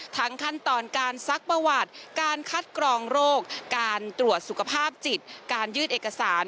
ขั้นตอนการซักประวัติการคัดกรองโรคการตรวจสุขภาพจิตการยืดเอกสาร